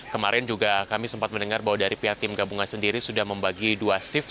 kemarin juga kami sempat mendengar bahwa dari pihak tim gabungan sendiri sudah membagi dua shift